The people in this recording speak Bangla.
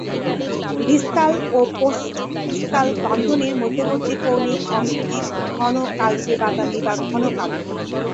ডিসকাল ও পোস্ট-ডিসকাল বন্ধনীর মধ্যবর্তী কৌণিক অংশটি ঘন কালচে বাদামি বা ঘন কালো।